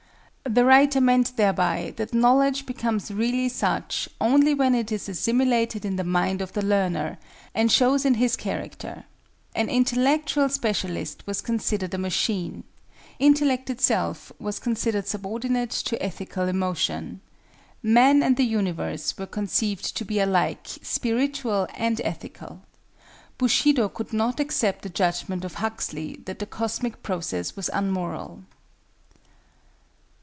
The writer meant thereby that knowledge becomes really such only when it is assimilated in the mind of the learner and shows in his character. An intellectual specialist was considered a machine. Intellect itself was considered subordinate to ethical emotion. Man and the universe were conceived to be alike spiritual and ethical. Bushido could not accept the judgment of Huxley, that the cosmic process was unmoral.